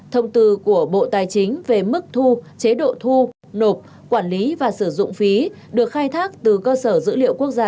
thông tư của bộ tài chính về mức thu chế độ thu nộp quản lý và sử dụng phí được khai thác từ cơ sở dữ liệu quốc gia